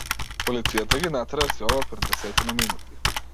Полицијата ги натера да си одат пред десетина минути.